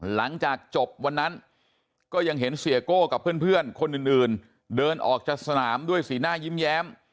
หลังจากจบวันนั้นก็ยังเห็นเสียโก้กับเพื่อนคนอื่นเดินออกจากสนามด้วยสีหน้ายิ้มแย้ม